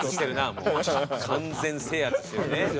もう完全制圧ですよね。